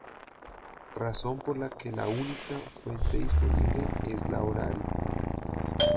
Razón por la que la única fuente disponible es la oral.